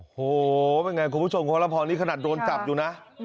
โหววววววววเป็นไงคุณผู้ชมพระอบค์นี้ขนาดโดนจับอยู่นะ